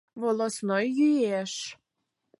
Волостной йӱэш.